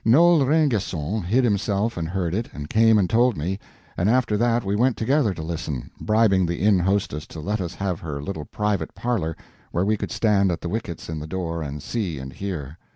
Noel Rainguesson hid himself and heard it, and came and told me, and after that we went together to listen, bribing the inn hostess to let us have her little private parlor, where we could stand at the wickets in the door and see and hear.